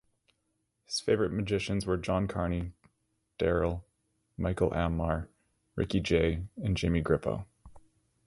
His favorite magicians were John Carney, Daryl, Michael Ammar, Ricky Jay and Jimmy Grippo.